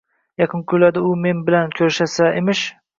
Yaqin kunlarda uni men bilan ko`rasizlar emish